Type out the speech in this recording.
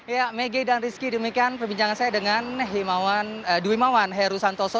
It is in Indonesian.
ya megi dan rizky demikian perbincangan saya dengan dwimawan heru santoso